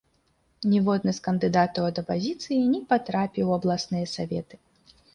Ніводны з кандыдатаў ад апазіцыі не патрапіў у абласныя саветы.